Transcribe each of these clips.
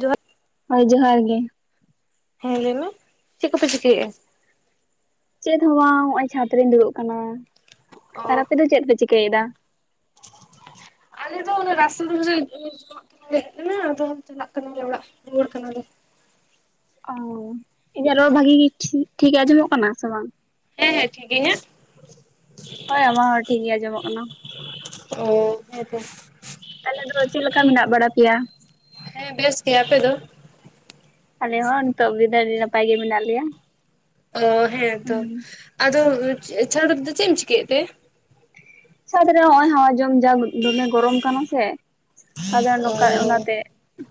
ᱡᱚᱸᱦᱟᱨ᱾ ᱦᱳᱭ ᱡᱚᱸᱦᱟᱨ ᱜᱮ᱾ ᱦᱮᱸ ᱞᱟᱹᱭᱢᱮ᱾ ᱪᱮᱫ ᱠᱚᱯᱮ ᱪᱤᱠᱟᱹᱭᱮᱜᱼᱟ? ᱪᱮᱫ ᱦᱚᱸ ᱵᱟᱝ ᱦᱚᱸᱜ-ᱚᱭ ᱪᱷᱟᱸᱫᱽ ᱨᱮᱧ ᱫᱩᱲᱩᱵ ᱠᱟᱱᱟ ᱟᱨ ᱚ ᱟᱯᱮ ᱫᱚ ᱪᱮᱫ ᱯᱮ ᱪᱤᱠᱟᱹᱭᱮᱫᱟ? ᱟᱞᱮ ᱫᱚ ᱚᱱᱟ ᱨᱟᱥ ᱫᱷᱟᱨᱮ ᱨᱮ [unintelligible] ᱦᱮᱡ ᱠᱟᱱᱟ ᱟᱫᱚ ᱪᱟᱞᱟᱜ ᱠᱟᱱᱟᱞᱮ ᱚᱲᱟᱜ ᱨᱩᱣᱟᱹᱲ ᱠᱟᱱᱟᱞᱮ᱾ ᱚ᱾ ᱤᱧᱟᱜ ᱨᱚᱲ ᱵᱷᱟᱜᱤ ᱜᱮ ᱴᱷᱤᱠᱮ ᱟᱸᱡᱚᱢᱚᱜ ᱠᱟᱱᱟ ᱥᱮ ᱵᱟᱝ? ᱦᱮᱸ ᱦᱮᱸ ᱴᱷᱤᱜᱤ ᱜᱮ᱾ ᱤᱧᱟᱜ? ᱦᱳᱭ ᱟᱢᱟᱜ ᱦᱚᱸ ᱴᱷᱤᱠ ᱜᱮ ᱟᱸᱡᱚᱢᱚᱜ ᱠᱟᱱᱟ᱾ ᱚ ᱦᱮᱸ ᱛᱚ᱾ ᱛᱟᱞᱦᱮ ᱫᱚ ᱪᱮᱫ ᱞᱮᱠᱟ ᱢᱮᱱᱟᱜ ᱵᱟᱲᱟ ᱯᱮᱭᱟ? ᱦᱮᱸ ᱵᱮᱥ ᱜᱮ᱾ ᱟᱯᱮ ᱫᱚ? ᱟᱞᱮ ᱦᱚᱸ ᱱᱤᱛᱚᱜ ᱜᱮᱫᱚ ᱟᱹᱰᱤ ᱱᱟᱯᱟᱭ ᱜᱮ ᱢᱮᱱᱟᱜ ᱞᱮᱭᱟ᱾ ᱚ ᱦᱮᱸ ᱛᱚ᱾ ᱦᱩᱸ ᱟᱫᱚ ᱪᱷᱟᱹᱲ ᱨᱮᱫᱚ ᱪᱮᱫ ᱮᱢ ᱪᱤᱠᱟᱹᱭᱮᱫ ᱛᱮ? ᱪᱷᱟᱛ ᱨᱮ ᱦᱚᱸᱜ-ᱚᱭ ᱦᱟᱣᱟ ᱡᱚᱢ ᱡᱟᱢ ᱫᱚᱢᱮ ᱜᱚᱨᱚᱢ ᱠᱟᱱᱟ ᱥᱮ ᱟᱫᱚ ᱚ ᱱᱚᱝᱠᱟ ᱚᱱᱟᱛᱮ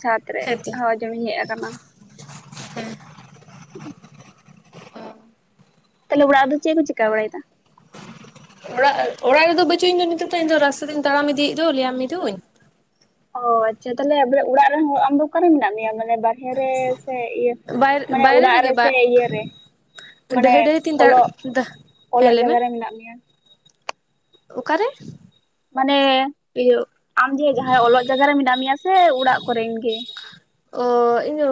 ᱪᱷᱟᱫᱽ ᱨᱮ ᱦᱮᱸᱛᱚ ᱦᱟᱣᱟ ᱡᱚ ᱡᱚᱢᱤᱧ ᱦᱮᱡ ᱟᱠᱟᱱᱟ᱾ ᱦᱮᱸ ᱛᱟᱦᱞᱮ ᱚᱲᱟᱜ ᱨᱮᱫᱚ ᱪᱮᱫ ᱠᱚᱢ ᱪᱤᱠᱟ ᱵᱟᱲᱟᱭᱮᱫᱟ᱾ ᱚᱲᱟᱜ ᱚᱲᱟᱜ ᱨᱮᱫᱚ ᱵᱟᱹᱪᱩᱜ ᱤᱧ ᱫᱚ ᱱᱤᱛᱚᱜ ᱫᱚ ᱤᱧ ᱫᱚ ᱨᱟᱥᱛᱟ ᱛᱮᱧ ᱛᱟᱲᱟᱢ ᱤᱫᱤᱭᱮᱫ ᱫᱚ ᱞᱮᱭᱟᱢ ᱢᱤᱫᱩᱧ᱾ ᱚ ᱟᱪᱪᱷᱟ ᱛᱟᱦᱚᱞᱮ ᱵᱚᱞᱮ ᱚᱲᱟᱜ ᱨᱮᱱ ᱦᱚᱲ ᱟᱢ ᱫᱚ ᱚᱠᱟᱨᱮ ᱢᱮᱱᱟᱜ ᱢᱮᱭᱟ ᱢᱟᱱᱮ ᱵᱟᱨᱦᱮ ᱨᱮ ᱥᱮ ᱤᱭᱟᱹᱼᱼ ᱵᱟᱭ ᱢᱟᱱᱮ ᱵᱟᱭᱨᱮ ᱚᱲᱟᱜ ᱨᱮᱜᱮ ᱨᱮ ᱵᱟ ᱥᱮ ᱤᱭᱟᱹ ᱨᱮ, ᱢᱟᱱᱮ ᱰᱟᱹᱦᱤ ᱰᱟᱹᱦᱤ ᱛᱤᱧ ᱛᱟᱲ ᱚᱞᱚᱜ ᱦᱮᱸ ᱚᱞᱚᱜ ᱞᱟᱹᱭ ᱢᱮ ᱡᱟᱭᱜᱟ ᱨᱮ ᱢᱮᱱᱟᱜ ᱢᱮᱭᱟ᱾ ᱚᱠᱟᱨᱮ? ᱢᱟᱱᱮ ᱤᱭᱟᱹ ᱟᱢ ᱡᱮ ᱡᱟᱦᱟᱸᱭ ᱚᱞᱚᱜ ᱡᱟᱭᱜᱟ ᱨᱮ ᱢᱮᱱᱟᱜ ᱢᱮᱭᱟ ᱥᱮ ᱚᱲᱟᱜ ᱠᱚᱨᱮᱱ ᱜᱮ? ᱚᱻ ᱤᱧᱫᱚ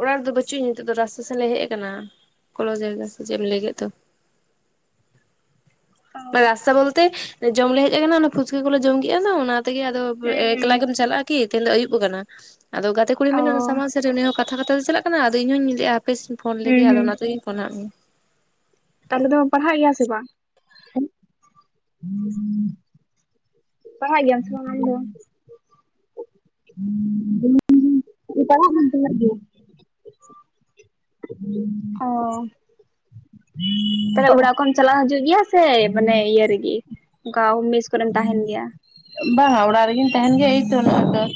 ᱚᱲᱟᱜ ᱨᱮᱫᱚ ᱵᱟᱹᱪᱩᱜ ᱟᱹᱧ ᱱᱤᱛᱚᱜ ᱫᱚ ᱨᱟᱥᱛᱟ ᱥᱮᱱᱞᱮ ᱦᱮᱡ ᱟᱠᱟᱱᱟ᱾ ᱠᱚᱞᱚ ᱡᱟᱭᱜᱟ ᱥᱮ ᱪᱮᱫ ᱮᱢ ᱞᱟᱹᱭ ᱠᱮᱫ ᱫᱚ᱾ ᱚ ᱨᱟᱥᱛᱟ ᱵᱚᱞᱛᱮ ᱡᱚᱢ ᱞᱮ ᱦᱮᱡ ᱟᱠᱟᱱᱟ ᱚᱱᱟ ᱯᱷᱩᱪᱠᱟᱹ ᱠᱚᱞᱮ ᱡᱚᱢ ᱠᱮᱜᱼᱟ ᱛᱚ ᱚᱱᱟᱼᱼ ᱛᱮᱜᱮ ᱟᱫᱚ ᱦᱮᱸ ᱦᱮᱸ ᱮᱠᱞᱟ ᱜᱮᱢ ᱪᱟᱞᱟᱜᱼᱟ ᱠᱤ ᱛᱮᱦᱮᱱ ᱫᱚ ᱟᱹᱭᱩᱵᱽ ᱠᱟᱱᱟ ᱟᱫᱚ ᱜᱟᱛᱮ ᱠᱩᱲᱤ ᱚ ᱢᱮᱱᱟᱜᱼᱟ ᱥᱟᱢᱟᱝ ᱥᱮᱫ ᱨᱮ ᱩᱱᱤ ᱦᱚᱸᱼᱼ ᱠᱟᱛᱷᱟ ᱠᱟᱛᱷᱟ ᱛᱮ ᱪᱟᱞᱟᱜ ᱠᱟᱱᱟ ᱟᱫᱚ ᱤᱧ ᱦᱩᱸᱧ ᱞᱟᱹᱭᱮᱜᱼᱟ ᱦᱟᱯᱮ ᱥᱮᱧ ᱯᱷᱳᱱ ᱦᱩᱸ ᱞᱮᱜᱮ ᱟᱫᱚ ᱦᱩᱸ ᱚᱱᱟ ᱛᱮᱜᱮᱧ ᱯᱷᱳᱱᱟᱜ ᱢᱮᱭᱟ᱾ ᱛᱟᱦᱞᱮ ᱫᱚᱢ ᱯᱟᱲᱦᱟᱜ ᱜᱮᱭᱟ ᱥᱮ ᱵᱟᱝ? ᱟᱱᱼᱚᱰᱤᱵᱮᱞ [inaudible] ᱤᱱᱼᱚᱰᱤᱵᱮᱞ [unintelligible] ᱯᱟᱲᱦᱟᱜ ᱜᱮᱭᱟᱢ ᱥᱮ ᱵᱟᱝ ᱟᱢᱫᱚ? ᱤᱧ ᱯᱟᱲᱦᱟᱜ ᱫᱩᱧ ᱯᱟᱲᱦᱟᱜ ᱜᱮᱭᱟ [inaudible] ᱚᱻ ᱛᱟᱞᱦᱮ ᱚᱲᱟᱜ ᱠᱚᱢ ᱪᱟᱞᱟ ᱦᱤᱡᱩᱜ ᱜᱮᱭᱟ ᱥᱮ ᱢᱟᱱᱮ ᱤᱭᱟᱹ ᱨᱮᱜᱮ ᱚᱱᱠᱟ ᱢᱮᱥ ᱠᱚᱨᱮᱢ ᱛᱟᱦᱮᱱ ᱜᱮᱭᱟ? ᱵᱟᱝᱼᱟ ᱚᱲᱟᱜ ᱨᱮᱜᱤᱧ ᱛᱟᱦᱮᱱ ᱜᱮᱭᱟ ᱮᱭ ᱛᱚ ᱱᱚᱜᱼᱚᱭ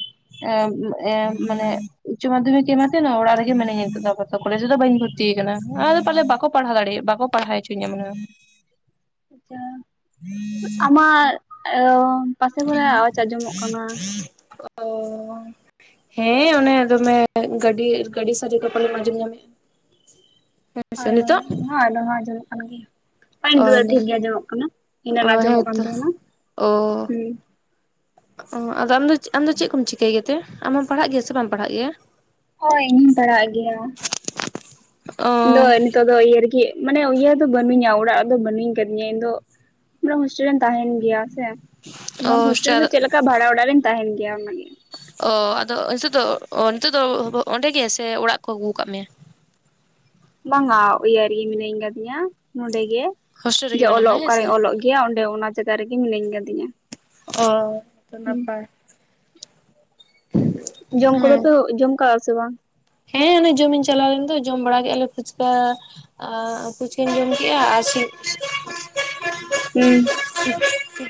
ᱛᱚ ᱢᱟᱱᱮᱼᱼ ᱩᱪᱪᱚ ᱢᱟᱫᱷᱤᱠ ᱮᱢᱟᱫᱟᱹᱧ ᱱᱚᱜᱼᱚᱭ ᱚᱲᱟᱜ ᱨᱮᱜᱮ ᱢᱤᱱᱟᱹᱧᱟ ᱱᱤᱛᱚᱜ ᱫᱚ ᱟᱯᱟᱛᱚᱛᱚ ᱠᱚᱞᱮᱡᱽ ᱨᱮ ᱫᱚ ᱵᱟᱹᱧ ᱵᱷᱚᱨᱛᱤ ᱠᱟᱱᱟ ᱟᱫᱚ ᱯᱟᱞᱮ ᱵᱟᱠᱚ ᱯᱟᱲᱦᱟᱣ ᱫᱟᱲᱮᱭᱮᱜ ᱵᱟᱠᱚ ᱯᱟᱲᱦᱟᱣ ᱪᱚᱼᱼ ᱤᱱᱼᱤᱱᱴᱮᱞᱤᱡᱤᱵᱮᱞ [inaudible] ᱟᱪᱪᱷᱟ ᱟᱢᱟᱜ ᱚ ᱯᱟᱥᱮ ᱠᱚᱨᱮ ᱟᱣᱟᱡᱽ ᱟᱸᱡᱚᱢᱚᱜ ᱠᱟᱱᱟ᱾ ᱚᱻ ᱦᱮᱸ ᱚᱱᱮ ᱫᱚᱢᱮ ᱜᱟᱹᱰᱤ ᱜᱟᱹᱰᱤ ᱥᱟᱹᱰᱮ ᱠᱚ ᱯᱟᱞᱮᱢ ᱟᱸᱡᱚᱢ ᱧᱟᱢᱮᱫᱼᱟ᱾ ᱦᱩᱸᱜ [unintelligible] ᱦᱳᱭ ᱦᱳᱭ ᱚᱱᱟ ᱟᱭᱱᱚᱢ ᱦᱚᱸ ᱟᱸᱡᱚᱢᱚᱜ ᱠᱟᱱ ᱜᱮ᱾ ᱵᱟᱝ ᱚ ᱱᱤᱛᱚᱜ ᱫᱚ ᱴᱷᱤᱠ ᱜᱮ ᱟᱸᱡᱚᱢᱚᱜ ᱠᱟᱱᱟ ᱤᱱᱟᱹᱱ ᱟᱸᱡᱚᱢᱚᱜ ᱠᱟᱱ ᱛᱟᱦᱮᱱᱟ᱾ ᱚᱻ ᱦᱩᱸ ᱚ ᱟᱫᱚ ᱟᱢᱫᱚ ᱟᱢᱫᱚ ᱪᱮᱫ ᱠᱚᱢ ᱪᱤᱠᱟᱹᱭ ᱜᱮᱛᱮ ᱟᱢ ᱦᱚᱢ ᱯᱟᱲᱦᱟᱜ ᱜᱮᱭᱟ ᱥᱮ ᱵᱟᱢ ᱯᱟᱲᱦᱟᱜ ᱜᱮᱭᱟ? ᱦᱳᱭ ᱤᱧ ᱦᱚᱸᱧ ᱯᱟᱲᱟᱜ ᱜᱮᱭᱟ᱾ ᱚ ᱤᱧ ᱫᱚ ᱱᱤᱛᱚᱜ ᱫᱚ ᱤᱭᱟᱹ ᱨᱮᱜᱮ ᱢᱟᱱᱮ ᱤᱭᱟᱹ ᱫᱚ ᱵᱟᱹᱱᱩᱧᱟ ᱚᱲᱟᱜ ᱨᱮᱫᱚ ᱵᱟᱹᱱᱩᱧ ᱠᱟᱫᱤᱧᱟ ᱤᱧ ᱫᱚᱼᱼ ᱦᱳᱥᱴᱮᱞ ᱨᱮᱢ ᱛᱟᱦᱮᱱ ᱜᱮᱭᱟ ᱥᱮ ᱚ ᱵᱟᱝ ᱦᱳᱥᱴᱮᱞ ᱨᱮ ᱪᱮᱫ ᱞᱮᱠᱟ ᱵᱷᱟᱲᱟ ᱚᱲᱟᱜ ᱨᱮᱢ ᱛᱟᱦᱮᱱ ᱜᱮᱭᱟ ᱚᱱᱟᱜᱮ, ᱚᱻ ᱟᱫᱚ ᱱᱤᱛᱚᱜ ᱫᱚ ᱚ ᱱᱤᱛᱚᱜ ᱫᱚ ᱚᱸᱰᱮ ᱜᱮ ᱥᱮ ᱚᱲᱟᱜ ᱠᱚ ᱟᱹᱜᱩᱣ ᱠᱟᱫ ᱢᱮᱭᱟ᱾ ᱵᱟᱝᱼᱟ ᱤᱭᱟᱹ ᱨᱮᱜᱮ ᱢᱤᱱᱟᱹᱧ ᱠᱟᱫᱤᱧᱟ ᱱᱚᱰᱮ ᱜᱮ ᱦᱳᱥᱴᱮᱞ ᱨᱮᱜᱮ ᱡᱮ ᱢᱮᱱᱟᱢᱟ ᱚᱞᱚᱜ ᱦᱮᱸ ᱚᱠᱟᱨᱮ ᱥᱮ ᱚᱞᱚᱜᱼᱼ ᱜᱮᱭᱟ ᱚᱸᱰᱮ ᱚᱱᱟ ᱡᱟᱜᱟ ᱨᱮᱜᱮ ᱢᱤᱱᱟᱹᱧ ᱠᱟᱫᱤᱧᱟ᱾ ᱚ ᱛᱚ ᱦᱩᱸ ᱱᱟᱯᱟᱭ, ᱡᱚᱢ ᱠᱚᱫᱚ ᱦᱮᱸ ᱯᱮ ᱚ ᱡᱚᱢ ᱠᱟᱜᱼᱟ ᱥᱮ ᱵᱟᱝ? ᱦᱮᱸ ᱚᱱᱮ ᱡᱚᱢᱤᱧ ᱪᱟᱞᱟᱣ ᱞᱮᱱ ᱫᱚ ᱡᱚᱢ ᱵᱟᱲᱟ ᱠᱮᱫᱼᱟ ᱞᱮ ᱯᱷᱩᱪᱠᱟ᱾ ᱟ ᱯᱷᱩᱪᱠᱟᱹᱧ ᱡᱚᱢ ᱠᱮᱜᱼᱟ ᱟᱨ ᱥᱤᱼᱼ ᱦᱩᱸ᱾ ᱥᱤᱸᱜ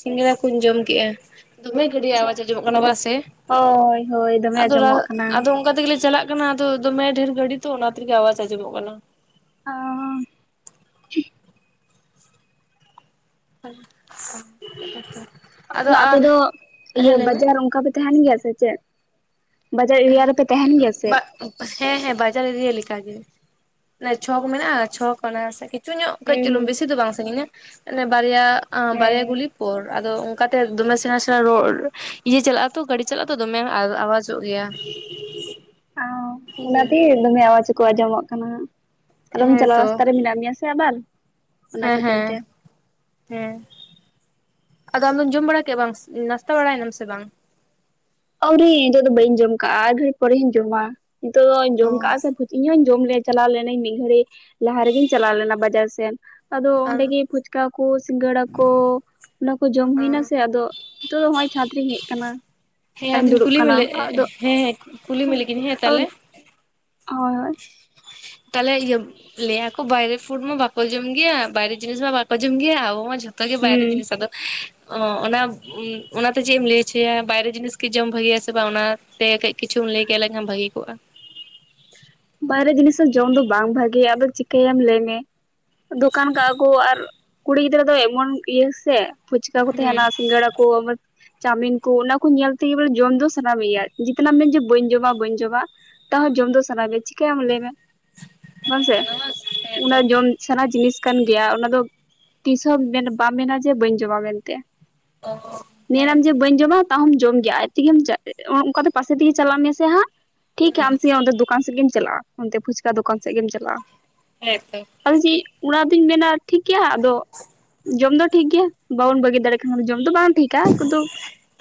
ᱥᱤᱸᱜᱟᱹᱲᱟ ᱠᱚᱧ ᱡᱚᱢ ᱠᱮᱜᱼᱟ᱾ ᱫᱚᱢᱮ ᱜᱟᱹᱰᱤ ᱟᱪᱪᱷᱟ ᱟᱣᱟᱡᱽ ᱟᱸᱡᱚᱢᱚᱜ ᱠᱟᱱᱟ ᱵᱟ ᱥᱮ ᱦᱳᱭ ᱦᱳᱭ ᱫᱚᱢᱮ ᱟᱫᱚ ᱟᱸᱡᱚᱢᱚᱜ ᱠᱟᱱᱟ ᱟᱫᱚ ᱚᱱᱠᱟ ᱛᱮᱜᱮᱞᱮᱼᱼ ᱪᱟᱞᱟᱜ ᱠᱟᱱᱟ ᱟᱫᱚ ᱫᱚᱢᱮ ᱰᱷᱮᱨ ᱜᱟᱹᱰᱤ ᱛᱚ ᱚᱱᱟ ᱛᱮᱜᱮ ᱟᱣᱟᱡᱽ ᱟᱸᱚᱢᱚᱜ ᱠᱟᱱᱟ᱾ ᱚᱻ ᱦᱟᱱᱼᱥᱷᱟ᱾ ᱟᱯᱮ ᱫᱚ ᱤᱭᱟᱹ ᱦᱮᱸ ᱞᱟᱹᱭ ᱢᱮ ᱵᱟᱡᱟᱨ ᱚᱱᱠᱟ ᱯᱮ ᱛᱟᱦᱮᱱ ᱜᱮᱭᱟ ᱥᱮ ᱪᱮᱫ? ᱵᱟᱡᱟᱨ ᱮᱨᱤᱭᱟ ᱨᱮᱯᱮ ᱛᱟᱦᱮᱱ ᱜᱮᱭᱟ ᱥᱮᱜ? ᱦᱮᱸ ᱦᱮᱸ ᱵᱟᱡᱟᱨ ᱤᱨᱤᱭᱟ ᱞᱮᱠᱟ ᱜᱮ᱾ ᱮ ᱪᱷᱚᱠ ᱢᱮᱱᱟᱜᱼᱟ ᱪᱷᱚᱠ ᱠᱟᱱᱟ ᱥᱮ ᱠᱤᱪᱷᱩ ᱧᱚᱜ ᱠᱟᱹᱡᱽ ᱪᱩᱞᱩᱝ ᱦᱩᱸ ᱵᱤᱥᱤ ᱫᱚ ᱵᱟᱝ ᱥᱟᱸᱜᱤᱧᱟ ᱚᱱᱮ ᱵᱟᱨᱭᱟ ᱟᱸ ᱦᱩᱸ ᱵᱟᱨᱭᱟ ᱦᱮᱸ ᱜᱩᱞᱤᱼᱼ ᱯᱚᱨ ᱟᱫᱚ ᱚᱝᱠᱟᱛᱮ ᱫᱚᱢᱮ ᱥᱮᱸᱲᱟ ᱥᱮᱸᱲᱟ ᱨᱚᱲ ᱤᱭᱟᱹ ᱪᱟᱞᱟᱜᱼᱟ ᱛᱚ ᱜᱟᱹᱰᱤ ᱪᱟᱞᱟᱜᱼᱟ ᱛᱚ ᱫᱚᱢᱮ ᱟᱣᱟᱡᱚᱜ ᱜᱮᱭᱟ᱾ ᱤᱱᱼᱚᱰᱤᱵᱮᱞ ᱚᱸ ᱚᱱᱟᱛᱮᱜᱮ ᱫᱚᱢᱮ ᱟᱣᱟᱡᱽ ᱠᱚ ᱟᱸᱡᱚᱢᱚᱜ ᱠᱟᱱᱟ᱾ ᱟᱞᱚᱢ ᱦᱮᱸ ᱪᱟᱞᱟᱜ ᱛᱚ ᱨᱟᱥᱛᱟ ᱨᱮ ᱢᱮᱱᱟᱜ ᱢᱮᱭᱟ ᱥᱮ ᱟᱵᱟᱨ ᱚᱱᱟ ᱦᱮᱸ ᱠᱷᱟᱹᱛᱤᱨ ᱦᱮᱸ ᱛᱮ᱾ ᱦᱮᱸ ᱟᱫᱚ ᱟᱢᱫᱚᱢ ᱡᱚᱢ ᱵᱟᱲᱟ ᱠᱮᱜᱼᱟ ᱵᱟᱝ ᱱᱟᱥᱛᱟ ᱵᱟᱲᱟᱭ ᱱᱟᱢ ᱥᱮ ᱵᱟᱝ? ᱟᱹᱣᱨᱤ ᱱᱤᱛᱚᱜ ᱫᱚ ᱵᱟᱹᱧ ᱡᱚᱢ ᱠᱟᱜᱼᱟ ᱟᱨ ᱜᱷᱟᱹᱲᱤᱡᱽ ᱯᱚᱨᱮᱧ ᱡᱚᱢᱟ ᱱᱤᱛᱚᱜ ᱫᱚ ᱚ ᱡᱚᱢ ᱠᱟᱜᱼᱟ ᱥᱮ ᱯᱷᱩ ᱤᱧ ᱦᱚᱧ ᱡᱚᱢ ᱞᱮᱭᱟ ᱪᱟᱞᱟᱣ ᱞᱮᱱᱟᱹᱧ ᱢᱤᱫ ᱜᱷᱲᱤ ᱞᱟᱦᱟ ᱨᱮᱜᱮᱧ ᱪᱟᱞᱟᱣ ᱞᱮᱱᱟ ᱵᱟᱡᱟᱨ ᱥᱮᱱ᱾ ᱟᱫᱚ ᱟᱨ ᱚᱸᱰᱮᱜᱮ ᱯᱷᱩᱪᱠᱟ ᱠᱚ ᱥᱤᱸᱜᱟᱹᱲᱟ ᱠᱚ ᱚᱱᱟᱠᱚ ᱡᱚᱢ ᱦᱩᱭᱱᱟ ᱥᱮ ᱟᱫᱚ ᱱᱤᱛᱚᱜ ᱫᱚ ᱦᱚᱸᱜᱼᱚᱭ ᱪᱷᱟᱸᱫᱽ ᱨᱮᱧ ᱦᱮᱡ ᱟᱠᱟᱱᱟ᱾ ᱦᱮᱸ ᱟᱨᱤᱧ ᱟᱹᱫᱩᱧ ᱫᱩᱲᱩᱵ ᱠᱩᱞᱤ ᱢᱮ ᱠᱟᱱᱟ ᱞᱮᱜ ᱟᱫᱚ ᱦᱮᱸ ᱦᱮᱸ ᱠᱩᱞᱤ ᱢᱮ ᱞᱮᱜᱤᱧ ᱦᱮᱸ ᱟᱫᱚ ᱛᱟᱦᱚᱞᱮᱼᱼ ᱦᱳᱭ ᱦᱳᱭ ᱛᱟᱦᱞᱮ ᱤᱭᱟᱹ ᱞᱟᱹᱭᱟ ᱠᱚ ᱵᱟᱭᱨᱮ ᱯᱷᱩᱰ ᱢᱟ ᱵᱟᱠᱚ ᱡᱚᱢ ᱜᱮᱭᱟ, ᱵᱟᱭᱨᱮ ᱡᱤᱱᱤᱥ ᱢᱟ ᱵᱟᱠᱚ ᱡᱚᱢ ᱜᱮᱭᱟ ᱾ ᱟᱵᱚ ᱢᱟ ᱡᱷᱚ ᱛᱚ ᱜᱮ ᱵᱟᱭᱨᱮ ᱦᱩᱸ ᱡᱤᱱᱤᱥ ᱟᱫᱚ ᱚ ᱚᱱᱟ ᱚᱱᱟ ᱛᱮ ᱪᱮᱫ ᱮᱢ ᱞᱟᱹᱭ ᱚᱪᱚᱭᱟ ᱵᱟᱭᱨᱮ ᱡᱤᱱᱤᱥ ᱜᱮ ᱡᱚᱢ ᱵᱷᱟᱜᱮᱭᱟ ᱥᱮ ᱵᱟᱝ? ᱚᱱᱟ ᱛᱮ ᱠᱟᱹᱡ ᱠᱤᱪᱷᱩᱢ ᱞᱟᱹᱭ ᱠᱮ ᱞᱮᱠᱷᱟᱱ ᱵᱷᱟᱹᱜᱤ ᱠᱚᱜᱼᱟ᱾ ᱵᱟᱭᱨᱮ ᱡᱤᱱᱤᱥ ᱦᱚᱸ ᱡᱚᱢ ᱫᱚ ᱵᱟᱝ ᱵᱷᱟᱜᱮᱭᱟ ᱟᱫᱚ ᱪᱤᱠᱟᱹᱭᱟᱢ ᱞᱟᱹᱭ ᱢᱮ᱾ ᱫᱳᱠᱟᱱ ᱠᱟᱜᱼᱟ ᱠᱚ ᱟᱨ ᱠᱩᱲᱤ ᱜᱤᱫᱽᱨᱟᱹ ᱫᱚ ᱮᱢᱚᱱ ᱤᱭᱟᱹ ᱥᱮ ᱯᱷᱩᱪᱠᱟ ᱠᱚ ᱦᱮᱸ ᱦᱮᱸ ᱛᱟᱦᱮᱸᱱᱟ ᱥᱤᱝᱜᱟᱲᱟ ᱠᱳ᱾ ᱟᱢ ᱪᱟᱣᱢᱤᱱ ᱠᱚ ᱚᱱᱟ ᱠᱚ ᱧᱮᱞ ᱛᱮ ᱜᱮ ᱵᱚᱞᱮ ᱡᱚᱢ ᱫᱚ ᱥᱟᱱᱟ ᱢᱮᱭᱟ᱾ ᱡᱮᱛᱱᱟᱢ ᱢᱮᱱ ᱡᱮ ᱵᱟᱹᱧ ᱡᱚᱢᱟ ᱵᱟᱹᱧ ᱡᱚᱢᱟ᱾ ᱛᱟᱣ ᱦᱚᱸ ᱡᱚᱢ ᱫᱚ ᱥᱟᱱᱟ ᱜᱮᱭᱟ ᱪᱤᱠᱟᱹᱭᱟᱢ ᱞᱟᱹᱭ ᱢᱮ ᱾ ᱵᱟᱝ ᱥᱮ? ᱚᱱᱟ ᱢᱟ ᱦᱮᱸ ᱚᱱᱟ ᱛᱚ ᱡᱚᱢ ᱥᱟᱱᱟ ᱡᱤᱱᱤᱥ ᱠᱟᱱ ᱜᱮᱭᱟ ᱾ ᱚᱱᱟ ᱫᱚ ᱛᱤᱥ ᱦᱚᱸ ᱵᱟᱢ ᱢᱮᱱᱟ ᱡᱮ ᱵᱟᱹᱧ ᱡᱚᱢᱟ ᱢᱮᱱᱛᱮ᱾ ᱚᱸ ᱢᱮᱱᱟᱢ ᱡᱮ ᱵᱟᱹᱧ ᱡᱚᱢᱟ᱾ ᱛᱟ ᱦᱚᱸᱢ ᱡᱚᱢ ᱜᱮᱭᱟ ᱟᱡ ᱛᱮᱜᱮᱢ ᱪᱟᱜ, ᱚᱱᱠᱟ ᱛᱮ ᱯᱟᱥᱮ ᱛᱮ ᱜᱮ ᱪᱟᱞᱟᱜ ᱢᱮᱥᱮ ᱦᱟᱸᱜ᱾ ᱴᱷᱤᱠ ᱜᱮ ᱦᱟᱸᱜ ᱟᱢ ᱥᱮᱭ ᱚᱱᱰᱮ ᱫᱳᱠᱟᱱ ᱥᱮᱫ ᱜᱮᱢ ᱪᱟᱞᱟᱜᱼᱟ᱾ ᱚᱱᱛᱮ ᱯᱷᱩᱪᱠᱟ ᱫᱚᱠᱟᱱ ᱥᱮᱜ ᱜᱮᱢ ᱪᱟᱞᱟᱜᱼᱟ᱾ ᱦᱮᱸ ᱛᱚ᱾ ᱟᱫᱚ ᱪᱮᱫ ᱚᱱᱟ ᱫᱩᱧ ᱢᱮᱱᱟ ᱴᱷᱤᱠ ᱜᱮᱭᱟ ᱦᱟᱸᱜ ᱟᱫᱚ ᱡᱚᱢ ᱫᱚ ᱴᱷᱤᱠ ᱜᱮᱭᱟ ᱵᱚᱱ ᱵᱟᱹᱜᱤ ᱫᱟᱲᱮᱜ ᱠᱷᱟᱱ ᱫᱚ, ᱡᱚᱢ ᱫᱚ ᱵᱟᱝ ᱴᱷᱤᱠ ᱫᱟᱜ ᱠᱚ ᱫᱚ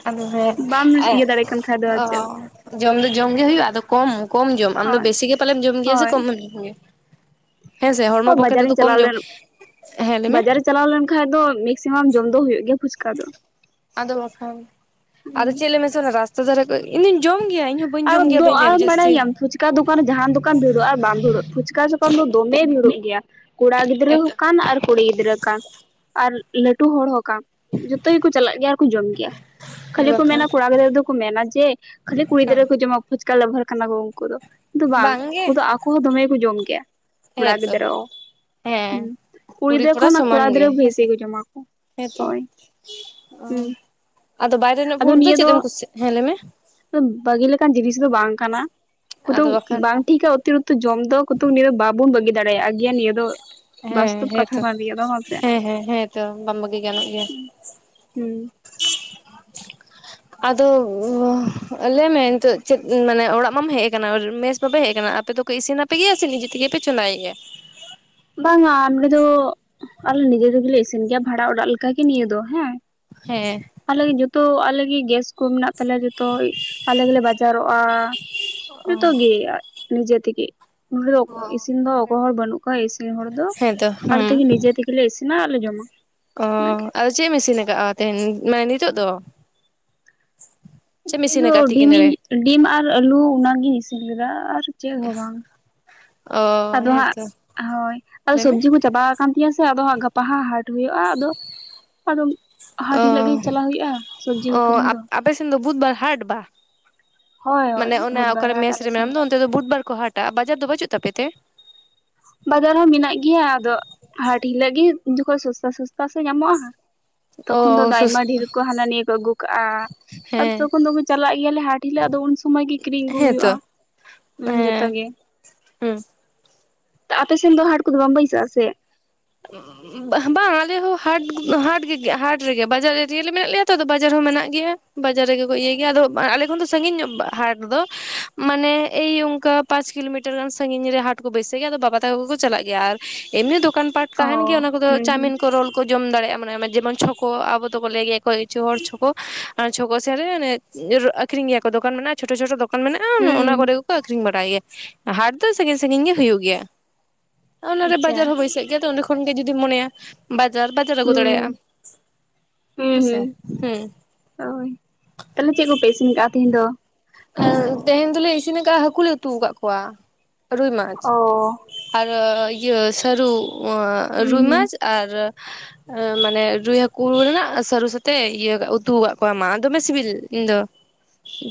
ᱟᱫᱚ ᱦᱮᱸ ᱵᱟᱢ ᱤᱭᱟᱹ ᱫᱟᱲᱮᱜ ᱠᱷᱟᱱ᱾ ᱚ ᱡᱚᱢ ᱫᱚ ᱡᱚᱢ ᱜᱮ ᱦᱩᱭᱩᱜᱼᱟ ᱟᱫᱚ ᱠᱚᱢ ᱠᱚᱢ ᱡᱚᱢ ᱟᱢ ᱫᱚ ᱵᱮᱥᱤ ᱜᱮᱢ ᱯᱟᱞᱮᱢ ᱡᱚᱢ ᱜᱮᱭᱟ ᱥᱮ ᱦᱳᱭ ᱠᱚᱢ ᱜᱮᱢ ᱡᱚᱢ ᱜᱮᱭᱟ? ᱦᱮᱸ ᱥᱮ ᱦᱚᱲᱢᱚ ᱦᱳᱭ ᱯᱚᱠᱠᱷᱮ ᱛᱮ ᱫᱚ ᱵᱟᱡᱟᱨᱤᱧ ᱠᱚᱢ ᱪᱟᱞᱟᱣ ᱡᱚᱢ᱾ ᱦᱮᱸ ᱞᱟᱹᱭ ᱢᱮ ᱠᱷᱟᱡ ᱫᱚ ᱢᱮᱠᱥᱤᱢᱟᱢ ᱡᱚᱢ ᱫᱚ ᱦᱩᱭᱩᱜ ᱜᱮᱭᱟ ᱯᱷᱩᱪᱠᱟ ᱫᱚ᱾ ᱟᱫᱚ ᱵᱟᱠᱷᱟᱱ, ᱟᱫᱚ ᱦᱩᱸ ᱪᱮᱫ ᱞᱮᱭ ᱢᱮᱥᱮ ᱚᱱᱟ ᱨᱟᱥᱛᱟ ᱫᱷᱟᱨᱮ ᱠᱷᱚᱡ ᱤᱧ ᱫᱩᱧ ᱡᱚᱢ ᱜᱮᱭᱟ ᱤᱧᱦᱳ ᱟᱨ ᱫᱚ ᱟᱨ ᱵᱟᱲᱟᱭ ᱜᱮᱭᱟᱢ ᱯᱷᱩᱪ ᱠᱟ ᱫᱳᱠᱟᱱ ᱨᱮ, ᱡᱟᱦᱟᱱ ᱫᱳᱠᱟᱱ ᱵᱷᱤᱲᱚᱜ ᱟᱨ ᱵᱟᱝ ᱵᱷᱤᱲᱚᱜ ᱯᱷᱩᱪᱠᱟ ᱫᱳᱠᱟᱱ ᱫᱚ ᱫᱳᱢᱮ ᱵᱷᱤᱲᱚᱜ ᱜᱮᱭᱟ᱾ ᱠᱚᱲᱟ ᱜᱤᱫᱽᱨᱟᱹ ᱦᱚᱸ ᱦᱮᱸᱛᱚ ᱠᱟᱱ ᱟᱨ ᱠᱩᱲᱤ ᱜᱤᱫᱽᱨᱟᱹ ᱠᱟᱱ ᱟᱨ ᱞᱟᱹᱴᱩ ᱦᱚᱲ ᱦᱚᱸ ᱠᱟᱱ ᱡᱚᱛᱚ ᱜᱮ ᱠᱩ ᱪᱟᱞᱟᱜ ᱜᱮᱭᱟ ᱟᱨ ᱠᱩ ᱡᱚᱢ ᱜᱮᱭᱟ ᱦᱮᱸ ᱾ᱠᱷᱟᱹᱞᱤ ᱠᱚ ᱵᱟᱠᱷᱟᱱ ᱢᱮᱱᱟ ᱠᱚᱲᱟ ᱜᱤᱫᱽᱨᱟᱹ ᱫᱚ ᱠᱳ ᱢᱮᱱᱟ ᱡᱮ ᱠᱷᱟᱹᱞᱤ ᱠᱩᱲᱤ ᱦᱮᱸ ᱜᱤᱫᱽᱨᱟᱹ ᱜᱮ ᱠᱚ ᱡᱚᱢᱟ ᱯᱷᱚᱪᱠᱟ ᱞᱟᱵᱷᱟᱨ ᱠᱟᱱᱟ ᱠᱚ ᱩᱱᱠᱩ ᱫᱚ, ᱠᱤᱱᱛᱩ ᱵᱟᱝ ᱵᱟᱝᱜᱮ ᱩᱱᱠᱩ ᱫᱚ ᱟᱠᱚ ᱦᱚᱸ ᱫᱚᱢᱮ ᱜᱮ ᱠᱚ ᱡᱚᱢ ᱜᱮᱭᱟ᱾ ᱠᱚᱲᱟ ᱦᱮᱸᱛᱚ ᱜᱤᱫᱽᱨᱟᱹ ᱦᱚᱸ᱾ ᱦᱮᱸ ᱠᱩᱲᱤ ᱜᱤᱫᱽᱨᱟᱹ ᱠᱷᱚᱱᱟᱜ ᱥᱚᱢᱟᱱ ᱠᱚᱲᱟ ᱜᱮ ᱜᱤᱫᱽᱨᱟᱹ ᱵᱮᱥᱤ ᱦᱮᱸᱥᱮ ᱠᱚ ᱡᱚᱢᱟ ᱠᱚ, ᱦᱮᱸᱛᱚ ᱦᱳᱭ, ᱚ ᱦᱩᱸ᱾ ᱟᱫᱚ ᱵᱟᱭᱨᱮ ᱨᱮᱱᱟᱜ ᱯᱷᱩᱰ ᱫᱚ ᱪᱮᱫ ᱮᱢ ᱠᱩᱥᱤ, ᱦᱮᱸ ᱞᱟᱹᱭ ᱢᱮ᱾ ᱵᱟᱹᱜᱤ ᱞᱮᱠᱟᱱ ᱡᱤᱱᱤᱥ ᱫᱚ ᱵᱟᱝ ᱠᱟᱱᱟ ᱾ ᱟᱫᱚ ᱠᱩᱛᱩᱠ ᱵᱟᱠᱷᱟᱱ ᱵᱟᱝ ᱴᱷᱤᱠᱟ ᱚᱛᱤ ᱨᱤᱠᱛᱚ ᱡᱚᱢ ᱫᱚ, ᱠᱩᱛᱩᱠ ᱱᱤᱭᱟᱹ ᱫᱚ ᱵᱟᱵᱚᱱ ᱵᱟᱹᱜᱤ ᱫᱟᱲᱮᱭᱟᱜᱼᱟ ᱜᱮᱭᱟ ᱱᱤᱭᱟᱹ ᱫᱚ ᱾ ᱦᱮᱸ ᱦᱮᱸᱛᱚ, ᱦᱮᱸ ᱦᱮᱸ ᱦᱮᱸᱛᱚ ᱵᱟᱝ ᱵᱟᱹᱜᱤ ᱜᱟᱱᱚᱜ ᱜᱮᱭᱟ᱾ ᱦᱩᱸ᱾ ᱟᱫᱚ ᱞᱟᱹᱭᱢᱮ ᱱᱤᱛᱳᱜ ᱪᱮᱫ ᱢᱟᱱᱮ ᱚᱲᱟᱜ ᱢᱟᱢ ᱦᱮᱡ ᱟᱠᱟᱱᱟ ᱾ ᱢᱮᱥ ᱵᱟᱵᱮ ᱦᱮᱡ ᱟᱠᱟᱱᱟ ᱟᱯᱮ ᱫᱚ? ᱠᱚ ᱤᱥᱤᱱ ᱟᱯᱮ ᱜᱮᱭᱟ ᱥᱮ ᱱᱤᱡᱮ ᱛᱮ ᱜᱮ ᱯᱮ ᱪᱚᱸᱫᱟᱭᱮᱜᱼᱟ? ᱵᱟᱝᱟ ᱱᱚᱸᱰᱮ ᱫᱚ ᱟᱞᱮ ᱱᱤᱡᱮ ᱛᱮ ᱜᱮ ᱞᱮ ᱤᱥᱤᱱ ᱜᱮᱭᱟ, ᱵᱷᱟᱲᱟ ᱚᱲᱟᱜ ᱞᱮᱠᱟ ᱜᱮ ᱱᱤᱭᱟᱹ ᱫᱚ ᱦᱮᱸ ᱾ ᱦᱮᱸ᱾ ᱟᱞᱮ ᱜᱮ ᱡᱚᱛᱚ, ᱟᱞᱮ ᱜᱮ ᱜᱮᱥ ᱠᱚ ᱢᱮᱱᱟᱜ ᱛᱟᱞᱮᱭᱟ ᱡᱚᱛ᱾ ᱛᱚ ᱟᱞᱮ ᱜᱮ ᱞᱮ ᱵᱟᱡᱟᱨᱚᱜᱼᱟ, ᱚ ᱡᱚᱛᱚ ᱜᱮ ᱱᱤᱡᱮ ᱛᱮ ᱜᱮ ᱾ ᱱᱚᱸᱰᱮ ᱫᱚ ᱤᱥᱤᱱ ᱫᱚ ᱚᱠᱚᱭ ᱦᱚᱲ ᱵᱟᱹᱱᱩᱜ ᱠᱚᱣᱟ ᱤᱥᱤᱱ ᱦᱚᱲ ᱫᱚ, ᱦᱮᱸᱛᱚ ᱟᱨ ᱦᱮᱸ ᱛᱮᱦᱮᱧ ᱱᱤᱡᱮ ᱛᱮ ᱜᱮ ᱞᱮ ᱤᱥᱤᱱᱟ ᱟᱨ ᱞᱮ ᱡᱚᱢᱟ ᱾ ᱚᱻ ᱟᱫᱚ ᱪᱮᱫ ᱮᱢ ᱤᱥᱤᱱ ᱠᱟᱜᱼᱟ ᱛᱮᱦᱮᱧ ᱢᱟᱱᱮ ᱱᱤᱛᱳᱜ ᱫᱚ? ᱪᱮᱫ ᱮᱢ ᱤᱧ ᱤᱥᱤᱱ ᱫᱚ ᱠᱟᱜᱼᱟ ᱛᱤᱠᱤᱱ ᱨᱮ? ᱰᱤᱢᱤᱧ ᱰᱤᱢ ᱟᱨ ᱟᱞᱩ ᱚᱱᱟ ᱜᱤᱧ ᱤᱥᱤᱱ ᱠᱟᱫᱟ, ᱟᱨ ᱪᱮᱫ ᱦᱚᱸ ᱵᱟᱝ᱾ ᱚ ᱟᱫᱚ ᱦᱟᱸᱜ ᱦᱮᱸᱛᱚ ᱦᱳᱭ, ᱟᱫᱚ ᱞᱟᱹᱭᱢᱮ ᱥᱚᱵᱡᱤ ᱠᱚ ᱪᱟᱵᱟ ᱟᱠᱟᱱ ᱛᱤᱧᱟᱹ ᱥᱮ ᱟᱫᱚ ᱦᱟᱸᱜ ᱜᱟ ᱯᱟ ᱦᱟᱸ ᱦᱟᱴ ᱦᱳᱭᱳᱜᱼᱟ ᱟᱫᱚ ᱟᱫᱚᱢ ᱦᱟᱴ ᱚ ᱦᱤᱞᱳᱜ ᱜᱮ ᱪᱟᱞᱟᱣ ᱦᱩᱭᱩᱜᱼᱟ ᱥᱚᱵᱽᱡᱤ ᱠᱚ ᱚ ᱠᱤᱨᱤᱧ ᱫᱚ᱾ ᱟᱯᱮ ᱥᱮᱱ ᱫᱚ ᱵᱩᱫᱷᱵᱟᱨ ᱦᱟᱴ ᱵᱟ ᱦᱳᱭ ᱦᱳᱭ ᱢᱟᱱᱮ ᱚᱱᱟ ᱵᱩᱫᱷᱵᱟᱨ ᱚᱠᱟᱨᱮ ᱦᱟᱴ ᱢᱮᱥ ᱟᱞᱮ ᱨᱮ ᱢᱮᱨᱟᱢ ᱥᱮᱱ ᱫᱚ ᱚᱱᱛᱮ ᱫᱚ ᱵᱩᱫᱵᱟᱨ ᱠᱚ ᱦᱟᱴ ᱟ, ᱵᱟᱡᱟᱨ ᱫᱚ ᱵᱟᱹᱪᱩᱜ ᱛᱟᱯᱮᱛᱮ? ᱵᱟᱡᱟᱨ ᱦᱚᱸ ᱢᱮᱱᱟᱜ ᱜᱮᱭᱟ ᱟᱫᱚ ᱦᱟᱴ ᱦᱤᱞᱟᱹᱜ ᱜᱮ ᱡᱚᱠᱷᱚᱱ ᱥᱚᱥᱛᱟ ᱥᱚᱥᱛᱟ ᱥᱮ ᱧᱟᱢᱚᱜᱼᱟ᱾ ᱚ ᱛᱚᱠᱷᱚᱱ ᱫᱚ ᱟᱭᱢᱟ ᱰᱷᱮᱨ ᱠᱚ ᱦᱟᱱᱟ ᱱᱤᱭᱟᱹ ᱠᱚ ᱟᱹᱜᱩ ᱠᱟᱜᱼᱟ᱾ ᱟᱫᱚ ᱦᱮᱸ ᱛᱚᱠᱷᱚᱱ ᱫᱚ ᱪᱟᱞᱟᱜ ᱜᱮᱭᱟᱞᱮ ᱦᱟᱴ ᱦᱤᱞᱳ ᱟᱫᱚ ᱩᱱ ᱥᱚᱢᱚᱭ ᱜᱮ ᱠᱤᱨᱤᱧ ᱟᱹᱜᱩ ᱦᱩᱭᱩᱜᱼᱟ᱾ ᱦᱮᱸᱛᱚ ᱦᱩᱸ ᱡᱚᱛᱚ ᱜᱮ᱾ ᱦᱮᱸ᱾ ᱟᱯᱮᱥᱮᱱ ᱫᱚ ᱦᱟᱴ ᱠᱚᱫᱚ ᱵᱟᱝ ᱵᱟᱹᱭᱥᱟᱹᱜ ᱟ ᱥᱮ? [unintelligible] ᱵᱟᱝ ᱟᱞᱮ ᱦᱚᱸ ᱦᱟᱴ ᱦᱟᱴ ᱦᱟᱴ ᱨᱮᱜᱮ ᱵᱟᱡᱟᱨ ᱮᱨᱤᱭᱟ ᱨᱮ ᱢᱮᱱᱟᱜ ᱞᱮᱭᱟ ᱛᱚ ᱵᱟᱡᱟᱨ ᱦᱚᱸ ᱢᱮᱱᱟᱜ ᱜᱮᱭᱟ᱾ ᱵᱟᱡᱟᱨ ᱨᱮᱜᱮ ᱠᱚ ᱤᱭᱟᱹᱭ ᱜᱮᱭᱟ ᱟᱫᱚ ᱟᱞᱮ ᱠᱷᱚᱱ ᱫᱚ ᱥᱟᱺᱜᱤᱧ ᱧᱚᱜ ᱦᱟᱴ ᱫᱚ ᱢᱟᱱᱮ ᱮᱭ ᱚᱱᱠᱟ ᱯᱟᱸᱪ ᱠᱤᱞᱳᱢᱤᱴᱟᱨ ᱜᱟᱱ ᱥᱟᱺᱜᱤᱧ ᱨᱮ ᱦᱟᱴ ᱠᱚ ᱵᱟᱹᱭᱥᱟᱹᱜ ᱜᱮᱭᱟ ᱟᱫᱚ ᱵᱟᱵᱟ ᱛᱟᱠᱚ ᱠᱚᱠᱚ ᱪᱟᱞᱟᱜ ᱜᱮᱭᱟ ᱟᱨ ᱮᱢᱱᱤ ᱫᱚᱠᱟᱱ ᱯᱟᱴ ᱚ ᱛᱟᱦᱮᱱ ᱜᱮᱭᱟ ᱚᱱᱟ ᱠᱚᱫᱚ ᱦᱩᱸ ᱦᱩᱸ ᱪᱟᱣᱢᱤᱱ ᱠᱚ ᱨᱳᱞ ᱠᱚ ᱡᱚᱢ ᱫᱟᱲᱮᱭᱟᱜᱼᱟ ᱢᱟᱱᱮ ᱡᱮᱢᱚᱱ ᱪᱷᱚᱠᱳ ᱟᱵᱚ ᱫᱚᱵᱚ ᱞᱟᱹᱭ ᱜᱮᱭᱟ ᱚᱠᱚᱭ ᱠᱤᱪᱷᱩ ᱦᱚᱲ ᱪᱷᱚᱠᱚᱳ ᱟᱨ ᱪᱷᱚᱠᱳ ᱥᱮᱱ ᱨᱮ ᱟᱠᱷᱨᱤᱧ ᱜᱮᱭᱟ ᱠᱚ ᱫᱚᱠᱟᱱ ᱢᱮᱱᱟᱜᱼᱟ ᱪᱷᱳᱴᱳ ᱪᱷᱳᱴᱳ ᱫᱚ ᱠᱟᱱ ᱢᱮᱱᱟᱜᱼᱟ ᱚᱱᱟ ᱦᱩᱸ ᱠᱚᱨᱮ ᱜᱮᱠᱚ ᱟᱹᱷᱨᱤᱧ ᱵᱟᱲᱟᱭ ᱜᱮᱭᱟ ᱦᱟᱴ ᱫᱚ ᱥᱟᱺᱜᱤᱧ ᱥᱟᱺᱜᱤᱧ ᱜᱮ ᱦᱩᱭᱩᱜ ᱜᱮᱭᱟ᱾ ᱚᱱᱟᱨᱮ ᱟᱪᱪᱷᱟ ᱵᱟᱡᱟᱨ ᱦᱚᱸ ᱵᱟᱹᱭᱥᱟᱹᱜ ᱜᱮᱭᱟ ᱛᱚ ᱚᱸᱰᱮ ᱠᱷᱚᱱᱜ ᱜᱮ ᱡᱩᱫᱤᱢ ᱢᱚᱱᱮᱭᱟ᱾ ᱵᱟᱡᱟᱨ ᱵᱟᱡᱟᱨ ᱟᱹᱜᱩ ᱫᱟᱲᱮᱭᱟᱜᱼᱟ ᱦᱩᱸ ᱟᱢ ᱦᱮᱸᱥᱮ, ᱦᱩᱸ᱾ ᱳᱭ ᱛᱟᱦᱚᱞᱮ ᱪᱮᱫ ᱠᱚᱯᱮ ᱤᱥᱤᱱ ᱠᱟᱜᱼᱟ ᱛᱮᱦᱮᱧ ᱫᱚ? ᱛᱮᱦᱮᱧ ᱫᱚᱞᱮ ᱤᱥᱤᱱ ᱟᱠᱟᱫ ᱦᱟᱹᱠᱩ ᱞᱮ ᱩᱛᱩ ᱟᱠᱟᱫ ᱠᱚᱣᱟ ᱨᱩᱭ ᱢᱟᱡᱽ᱾ ᱚ ᱟᱨ ᱤᱭᱟᱹ ᱥᱟᱹᱨᱩ ᱦᱩᱸ ᱨᱩᱭ ᱦᱩᱸ ᱢᱟᱡᱽ ᱟᱨ ᱢᱟᱱᱮ ᱨᱩᱭ ᱦᱟᱹᱠᱩ ᱨᱮᱱᱟᱜ ᱥᱟᱹᱨᱩ ᱥᱟᱛᱮᱜ ᱤᱭᱟᱹ ᱩᱛᱩ ᱟᱠᱟᱜ ᱠᱚᱣᱟ ᱢᱟ ᱫᱚᱢᱮ ᱥᱤᱵᱤᱞ ᱤᱧ ᱫᱚ᱾